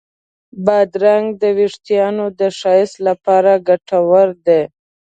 بادرنګ د وېښتانو د ښایست لپاره ګټور دی.